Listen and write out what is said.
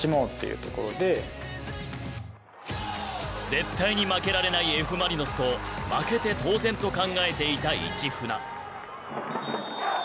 絶対に負けられないＦ・マリノスと負けて当然と考えていた市船。